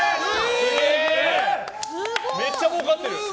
めっちゃもうかってる！